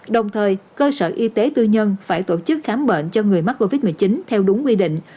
đồng thời cơ sở y tế tư nhân phải tổ chức khám bệnh cho người mắc covid một mươi chín theo đúng quy định